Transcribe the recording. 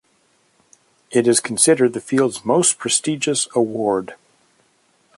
It is considered the field's most prestigious award.